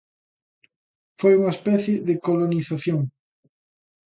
Foi unha especie de colonización.